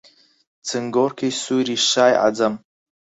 چنگۆڕکی سووری شای عەجەم...